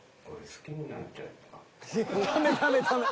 ［ダメダメダメ。